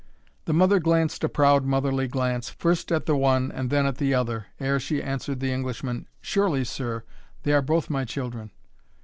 The mother glanced a proud motherly glance, first at the one, and then at the other, ere she answered the Englishman, "Surely, sir, they are both my children."